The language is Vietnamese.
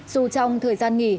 dù trong thời gian nghỉ